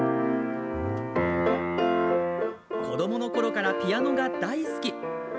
子どものころからピアノが大好き。